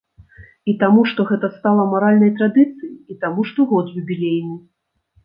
І таму што гэта стала маральнай традыцыяй, і таму што год юбілейны.